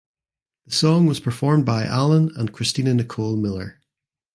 The song was performed by Allen and Kristina Nicole Miller.